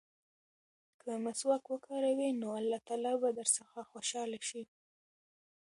که مسواک وکاروې نو الله تعالی به درڅخه خوشحاله شي.